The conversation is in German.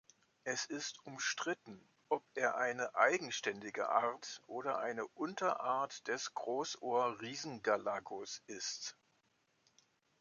Es ist umstritten, ob er eine eigenständige Art oder eine Unterart des Großohr-Riesengalagos ist.